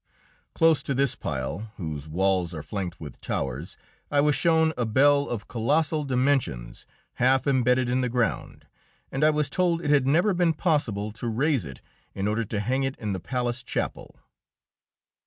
Close to this pile, whose walls are flanked with towers, I was shown a bell of colossal dimensions half embedded in the ground, and I was told it had never been possible to raise it in order to hang it in the palace chapel.